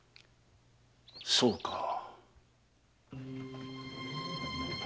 そうか。